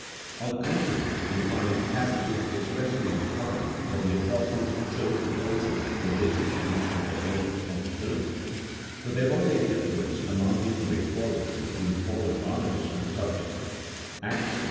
On the contrary, we find passages expressly implying that the Apostles chose the places where they should preach on their own responsibility, for there was a difference amounting to a quarrel between Paul and Barnabas on the subject (Acts xv.